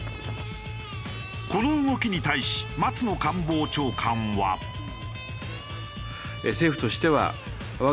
この動きに対し松野官房長官は。と述べた。